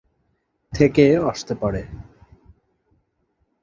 থেকে আসতে পারে!